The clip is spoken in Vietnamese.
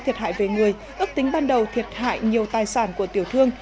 thiệt hại về người ước tính ban đầu thiệt hại nhiều tài sản của tiểu thương